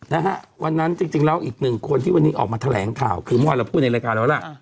นะฮะวันนั้นจริงแล้วอีกหนึ่งคนที่วันนี้ออกมาแถลงข่าวคือเมื่อวานเราพูดในรายการแล้วล่ะ